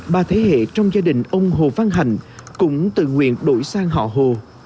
ba thế hệ trong gia đình ông hồ văn hành cũng tự nguyện đổi sang họ hồ